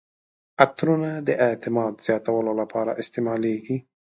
عطرونه د اعتماد زیاتولو لپاره استعمالیږي.